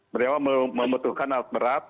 mereka membutuhkan alat berat